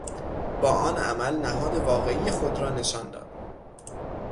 با آن عمل نهاد واقعی خود را نشان داد.